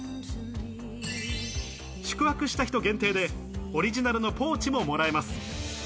宿泊した人限定でオリジナルのポーチももらえます。